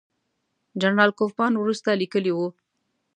جنرال کوفمان وروسته لیکلي وو.